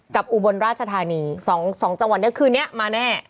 อุบลราชธานี๒จังหวัดนี้คืนนี้มาแน่